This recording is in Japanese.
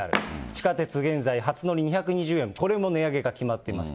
地下鉄、現在初乗り２５０円、これも値上げが決まっています。